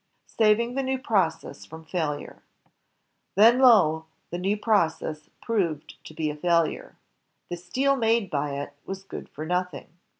Saving the New Process from Failure Then, lo! the new process proved to be a failure. The steel made by it was good for nothing.